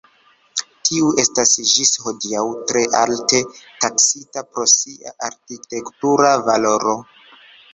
Tiu estas ĝis hodiaŭ tre alte taksita pro sia arkitektura valoro.